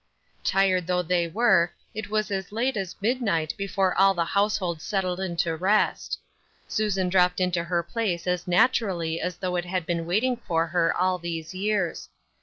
Tired though they were, it was as late as mid night before all the household settled into rest. Susan dropped into her place as naturally as though it had been waiting for her all these years.